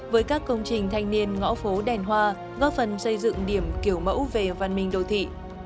với các công trình thanh niên ngõ phố đèn hoa góp phần xây dựng điểm kiểu mẫu về văn minh đô thị